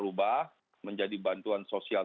ubah menjadi bantuan sosial